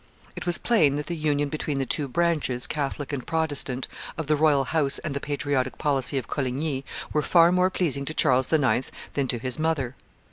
It was plain that the union between the two branches, Catholic and Protestant, of the royal house and the patriotic policy of Coligny were far more pleasing to Charles IX. than to his mother.